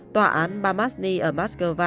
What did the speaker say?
tòa án bamazni ở moscow